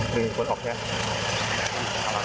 คุณคุณออกแค่เอามาออก